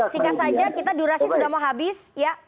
sikat saja kita durasi sudah mau habis